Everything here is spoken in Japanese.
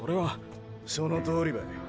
そのとおりばい。